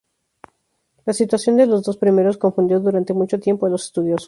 La situación de los dos primeros confundió durante mucho tiempo a los estudiosos.